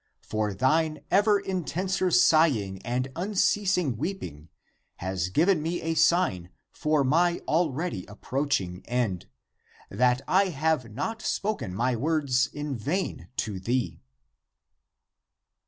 For thine ever in tenser sighing and unceasing weeping has given me a sign for my already approaching end, that I have not spoken my words in vain to thee."